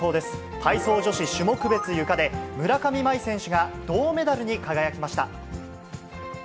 体操女子種目別ゆかで、村上茉愛選手が銅メダルに輝きました。